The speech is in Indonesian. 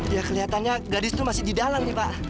ya kelihatannya gadis itu masih di dalam nih pak